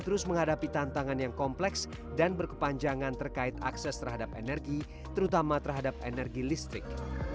terus menghadapi tantangan yang kompleks dan berkepanjangan terkait akses terhadap energi terutama terhadap energi listrik